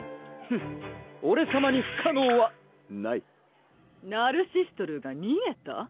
フッオレさまに不可能はないナルシストルーがにげた？